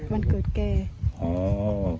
วันเกิดแก